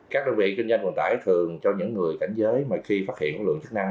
các đơn vị kinh doanh vận tải thường cho những người cảnh giới mà khi phát hiện lượng chức năng